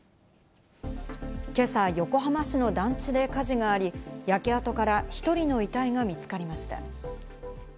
今朝、横浜市の団地で火事があり、焼け跡から１人の遺体が見つかりました。